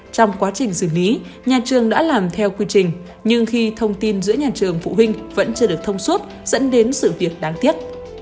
trong quá trình xử lý nhà trường đã làm theo quy trình nhưng khi thông tin giữa nhà trường phụ huynh vẫn chưa được thông suốt dẫn đến sự việc đáng tiếc